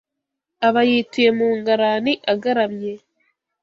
aba yituye mu ngarani agaramye.